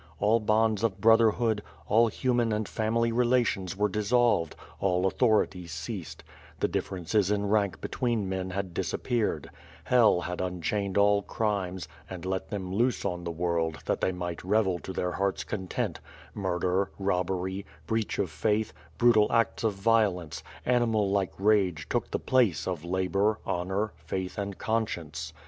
All bonds of brotherhood, all human and family relations w^ere dissolved, all authority ceased; the differences in rank between men had disappeared; Hell had unchained all crimes, and let them loose on the world, that they might revel to their hearts' content; murder, robbery, breach of faith, brutal acts of violence, animal like rage took the place of labor, honor, faith, and conscience.